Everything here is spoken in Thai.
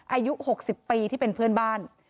อายุ๖๐ปีที่เป็นเพื่อนบ้าน